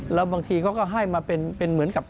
แล้วบางทีเขาก็ให้มาเป็นเหมือนกับ